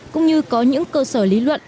cũng như có những cơ sở lý luận